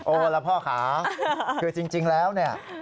ละพ่อค่ะคือจริงแล้วเนี่ย